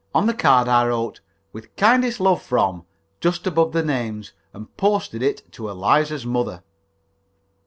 On the card I wrote "With kindest love from" just above the names, and posted it to Eliza's mother.